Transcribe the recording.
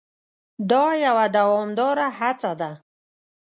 دا یوه دوامداره هڅه ده.